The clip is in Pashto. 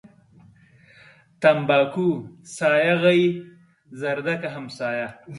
تنباکو سايه غيي ، زردکه همسايه.